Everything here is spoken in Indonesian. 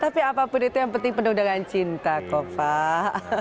tapi apapun itu yang penting penuh dengan cinta kok pak